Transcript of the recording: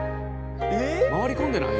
回り込んでない？